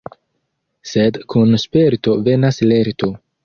Sed kun sperto venas lerto.